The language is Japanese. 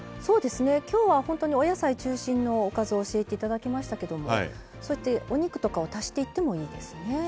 そうですね今日はほんとにお野菜中心のおかずを教えて頂きましたけどもそうやってお肉とかを足していってもいいですね。